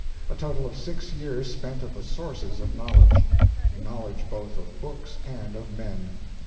A total of six years spent at the sources of knowledge; knowledge both of books and of men.